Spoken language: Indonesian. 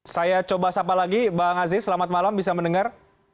saya coba sapa lagi bang aziz selamat malam bisa mendengar